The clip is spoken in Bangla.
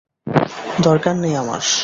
দরকার নেই আমার!